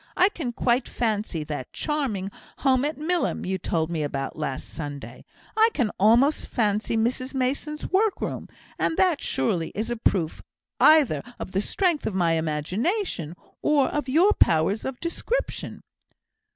I can quite fancy that charming home at Milham you told me about last Sunday. I can almost fancy Mrs Mason's workroom; and that, surely, is a proof either of the strength of my imagination, or of your powers of description."